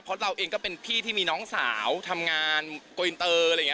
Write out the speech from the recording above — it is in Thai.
เพราะเราเองก็เป็นพี่ที่มีน้องสาวทำงานโกอินเตอร์อะไรอย่างนี้